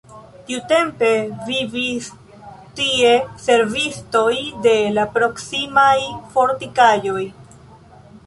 Tiutempe vivis tie servistoj de la proksimaj fortikaĵoj.